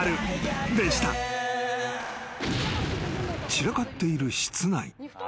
［散らかっている室内］